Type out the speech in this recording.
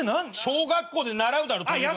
小学校で習うだろとび箱。